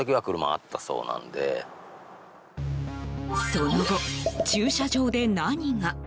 その後、駐車場で何が？